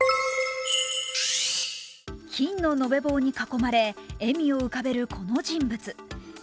金の延べ棒に囲まれ笑みを浮かべる、この人物。